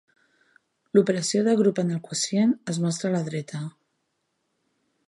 L'operació de grup en el quocient es mostra a la dreta.